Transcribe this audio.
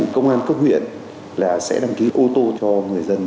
công an cấp huyện là sẽ đăng ký ô tô cho người dân